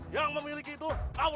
yang memiliki nyawa